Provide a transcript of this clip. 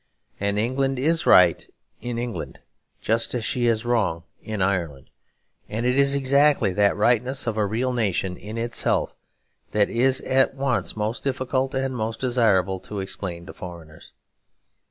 And England is right in England, just as she is wrong in Ireland; and it is exactly that rightness of a real nation in itself that it is at once most difficult and most desirable to explain to foreigners.